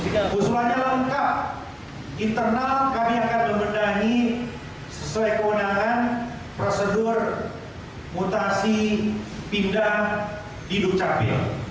kita akan memenangi sesuai kewenangan prosedur mutasi pindah di dukcapil